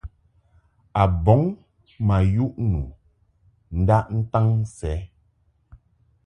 A bɔŋ ma yuʼ nu ndaʼ ntaŋ sɛ.